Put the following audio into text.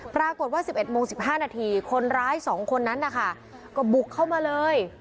๑๑โมง๑๕นาทีคนร้าย๒คนนั้นนะคะก็บุกเข้ามาเลย